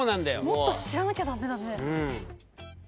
もっと知らなきゃ駄目だね。